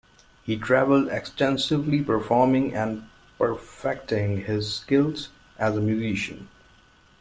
He traveled extensively performing and perfecting his skills as a musician.